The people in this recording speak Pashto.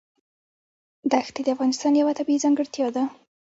ښتې د افغانستان یوه طبیعي ځانګړتیا ده.